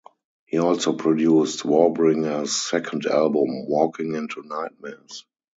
He also produced Warbringer's second album, "Waking into Nightmares".